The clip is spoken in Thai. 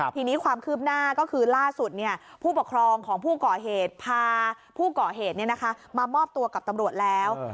ทีนี้ความคืบหน้าก็คือล่าสุดผู้ปกครองของผู้ก่อเหตุพาผู้ก่อเหตุมามอบตัวกับตำรวจแล้ว